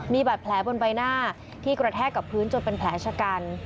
มีบาดแผลบนใบหน้าที่กระแทกกับพื้นจนเป็นแผลชะกัน